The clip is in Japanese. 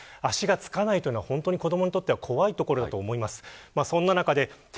足がつかないというのは子どもにとっては怖いところだと思います。